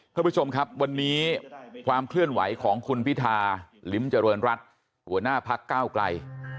ท่านผู้ชมครับวันนี้ความเคลื่อนไหวของคุณพิธาลิ้มเจริญรัฐหัวหน้าพักก้าวไกล